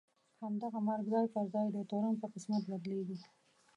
همدغه مرګ ځای پر ځای د تورن په قسمت بدلېږي.